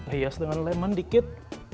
hias dengan lemon dikit